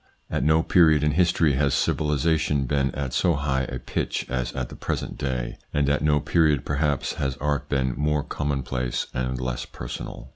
At no period in history has civilisation been at so high a pitch as at the present day, and at no period perhaps has art been more commonplace and less personal.